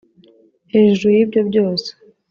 Hejuru y’ibyo byose